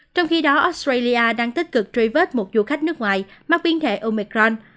trong khi đó australia đang tích cực truy vết một du khách nước ngoài mắc biến thể omicron